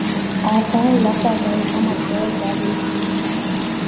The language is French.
Enfin, il apparaît comme acteur dans deux films.